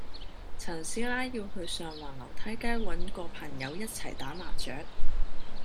陳師奶要去上環樓梯街搵個朋友一齊打麻雀